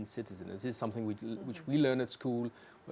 ini adalah sesuatu yang kita pelajari di sekolah